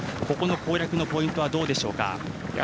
ここの攻略のポイントはどうでしょうか？